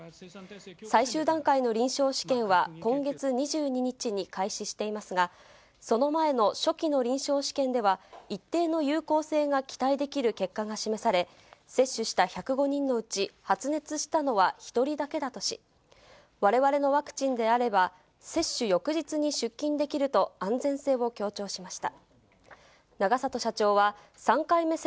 最終段階の臨床試験は今月２２日に開始していますが、その前の初期の臨床試験では、一定の有効性が期待できる結果が示され、接種した１０５人のうち、発熱したのは１人だけだとし、われわれのワクチンであれば、接種翌日に出勤できると、安全性を強調しました。